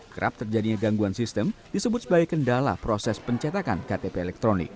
kerap terjadinya gangguan sistem disebut sebagai kendala proses pencetakan ktp elektronik